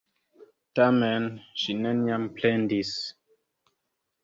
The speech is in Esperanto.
Tamen, ŝi neniam plendis.